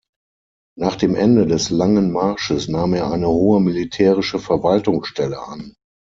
Nach dem Ende des Langen Marsches nahm er eine hohe militärische Verwaltungsstelle an.